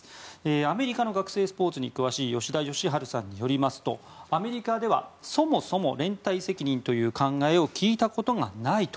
アメリカの学生スポーツに詳しい吉田良治さんによりますとアメリカではそもそも連帯責任という考えを聞いたことがないと。